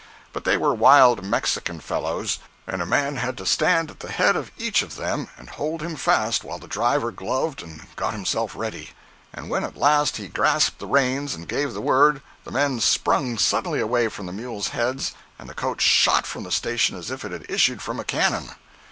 But they were wild Mexican fellows, and a man had to stand at the head of each of them and hold him fast while the driver gloved and got himself ready. And when at last he grasped the reins and gave the word, the men sprung suddenly away from the mules' heads and the coach shot from the station as if it had issued from a cannon.